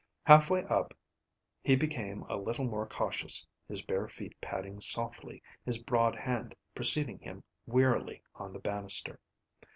Halfway up he became a little more cautious, his bare feet padding softly, his broad hand preceding him wearily on the banister.